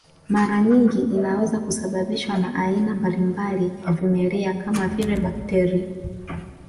Mara nyingi inaweza kusababishwa na aina mbalimbali ya vimelea kama vile bakteria